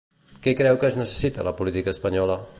Què creu que es necessita a la política espanyola?